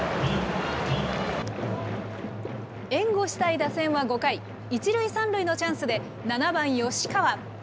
援護したい打線は５回、１塁３塁のチャンスで、７番吉川。